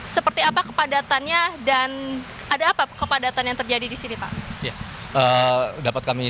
seperti apa kepadatannya dan ada apa kepadatan yang terjadi di sini pak